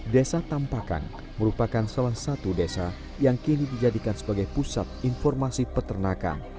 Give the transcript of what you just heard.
desa tampakan merupakan salah satu desa yang kini dijadikan sebagai pusat informasi peternakan